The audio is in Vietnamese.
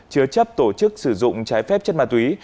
chứa chấp tổ chức sử dụng trái phép chất ma túy